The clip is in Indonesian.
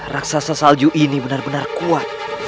raksasa salju ini benar benar kuat